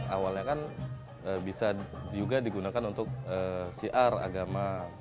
awalnya kan bisa juga digunakan untuk syiar agama